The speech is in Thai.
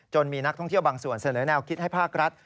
มีนักท่องเที่ยวบางส่วนเสนอแนวคิดให้ภาครัฐ